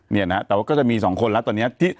เนี่ยนะแต่ว่าก็จะมี๒คนแล้วตอนนี้